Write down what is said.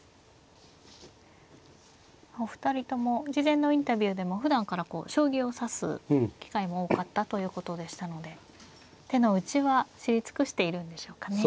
お二人とも事前のインタビューでもふだんからこう将棋を指す機会も多かったということでしたので手の内は知り尽くしているんでしょうかね。